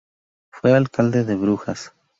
Fue alcalde de Brujas.